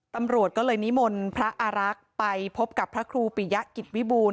ตำรวจก็เลยนิมนต์พระอารักษ์ไปพบกับพระครูปิยะกิจวิบูรณ